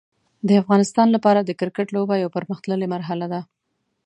د افغانستان لپاره د کرکټ لوبه یو پرمختللی مرحله ده.